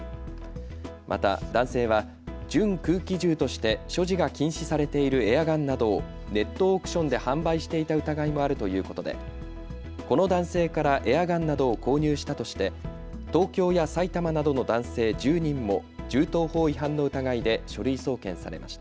また男性は準空気銃として所持が禁止されているエアガンなどをネットオークションで販売していた疑いもあるということでこの男性からエアガンなどを購入したとして東京や埼玉などの男性１０人も銃刀法違反の疑いで書類送検されました。